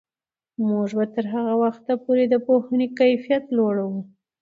موږ به تر هغه وخته پورې د پوهنې کیفیت لوړوو.